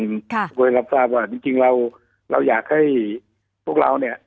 ให้ทุกคนรับทราบว่าจริงเราอยากให้พวกเรา